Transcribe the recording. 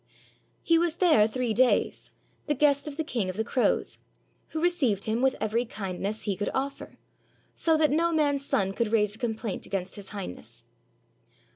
He was there three days, the guest of the King of the Crows, who received him with every kindness he could offer, so that no man's son could raise a complaint against His Highness.